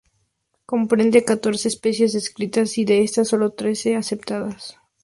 Comprende catorce especies descritas y de estas, solo tres aceptadas.